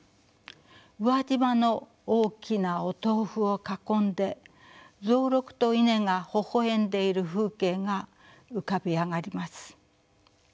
宇和島の大きなお豆腐を囲んで蔵六とイネがほほ笑んでいる風景が浮かび上がります。